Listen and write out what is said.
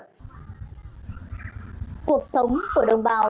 cuộc sống của đồng bào dân tộc thử số